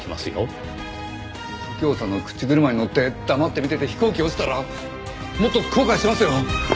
右京さんの口車にのって黙って見てて飛行機落ちたらもっと後悔しますよ！